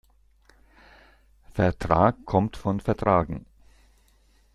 Vertrag kommt von vertragen.